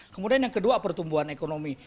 kemudian yang kedua pertumbuhan ekonomi